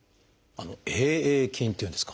Ａ．ａ．菌っていうんですか。